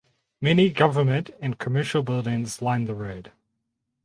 Many government and commercial buildings line the road.